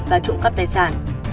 và trộm cắp tài sản